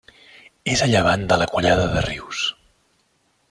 És a llevant de la Collada de Rius.